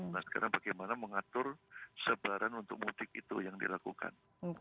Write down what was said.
nah sekarang bagaimana mengatur sebaran untuk mudik itu yang dilakukan